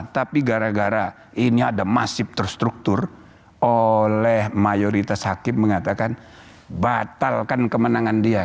tapi gara gara ini ada masif terstruktur oleh mayoritas hakim mengatakan batalkan kemenangan dia